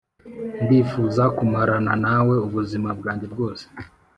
ndifuza kumarana nawe ubuzima bwanjye bwose